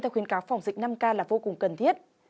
theo khuyến cáo phòng dịch năm k là vô cùng cần thiết